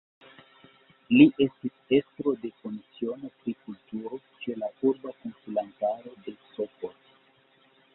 Li estis estro de Komisiono pri Kulturo ĉe la Urba Konsilantaro de Sopot.